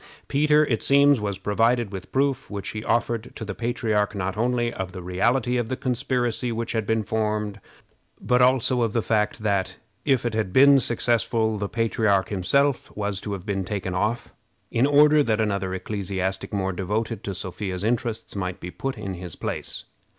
Peter, it seems, was provided with proof, which he offered to the patriarch, not only of the reality of the conspiracy which had been formed, but also of the fact that, if it had been successful, the patriarch himself was to have been taken off, in order that another ecclesiastic more devoted to Sophia's interests might be put in his place.